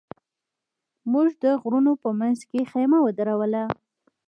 موږ د غرونو په منځ کې خېمه ودروله.